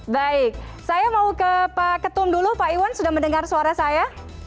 baik saya mau ke pak ketum dulu pak iwan sudah mendengar suara saya